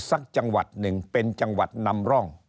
สักจังหวัดหนึ่งเป็นจังหวัดนำร่อง